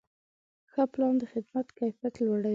ښه پلان د خدمت کیفیت لوړوي.